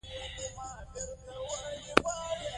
دا علم د پانګونې مدیریت په اړه دی.